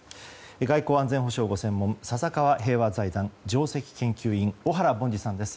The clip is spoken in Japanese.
外交・安全保障がご専門笹川平和財団上席研究員小原凡司さんです。